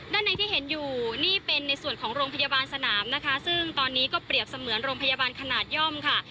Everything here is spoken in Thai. ด้านในที่เห็นอยู่นี่เป็นในส่วนของโรงพยาบาลสนามนะคะซึ่งตอนนี้ก็เปรียบเสมือนโรงพยาบาลขนาดย่อมค่ะ